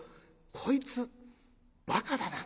『こいつバカだな』。